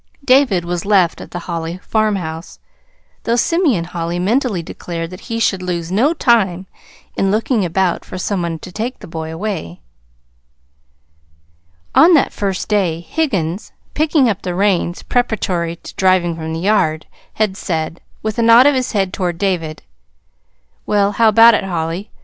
David was left at the Holly farmhouse, though Simeon Holly mentally declared that he should lose no time in looking about for some one to take the boy away. On that first day Higgins, picking up the reins preparatory to driving from the yard, had said, with a nod of his head toward David: "Well, how about it, Holly?